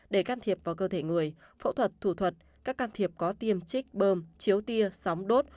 để can thiệp vào cơ thể người phẫu thuật thủ thuật các can thiệp có tiêm trích bơm chiếu tia sóng đốt